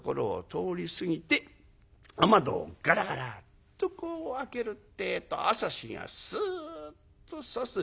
通り過ぎて雨戸をガラガラッとこう開けるってえと朝日がスッとさす。